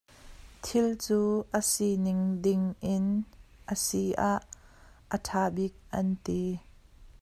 Thil cu a si ning ding in a si ah a ṭha bik an ti.